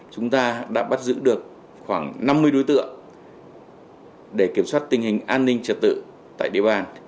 chúng ta đã bắt giữ được khoảng năm mươi đối tượng để kiểm soát tình hình an ninh trật tự tại địa bàn